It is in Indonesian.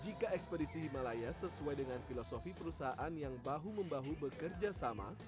jika ekspedisi himalaya sesuai dengan filosofi perusahaan yang bahu membahu bekerja sama